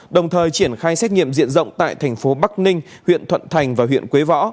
đồng thời triển khai xét nghiệm diện rộng tại thành phố bắc ninh huyện thuận thành và huyện quế võ